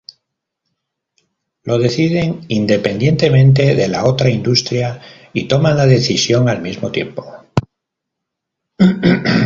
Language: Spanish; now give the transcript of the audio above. Lo deciden independientemente de la otra industria y toman la decisión al mismo tiempo.